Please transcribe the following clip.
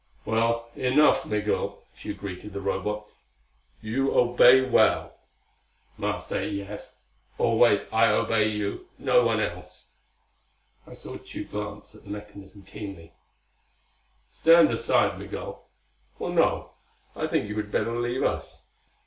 "Well enough, Migul," Tugh greeted the Robot. "You obey well." "Master, yes. Always I obey you; no one else." I saw Tugh glance at the mechanism keenly. "Stand aside, Migul. Or no, I think you had better leave us.